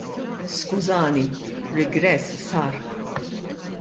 Skużani, rigress sar.